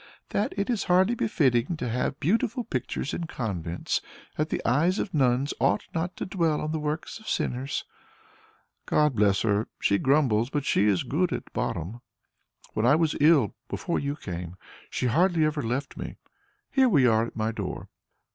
"That it is hardly befitting to have beautiful pictures in convents, that the eyes of nuns ought not to dwell on the works of sinners." "God bless her! She grumbles, but she is good at bottom. When I was ill, before you came, she hardly ever left me. Here we are at my door."